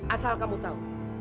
asal kamu tahu